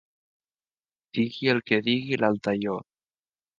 Digui el que digui l'Altaió.